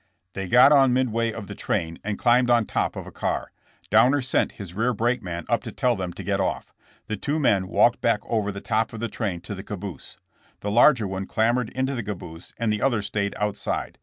They got on midway of the train and climbed on top of a car. Downer sent his rear brakeman up to tell them to get off. The two men walked back over the top of the train to the caboose. The larger one clambered into the caboose and the other stayed out side.